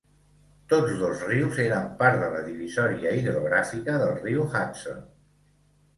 Tots dos rius eren part de la divisòria hidrogràfica del riu Hudson.